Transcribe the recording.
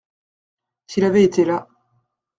S’il avait été là.